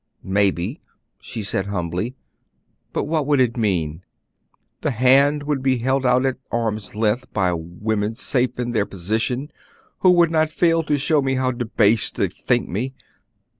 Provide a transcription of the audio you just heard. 'Maybe,' she said humbly; 'but what would it mean? The hand would be held out at arm's length by women safe in their position, who would not fail to show me how debased they think me.